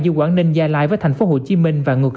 như quảng ninh gia lai với tp hcm và ngược lại để chống dịch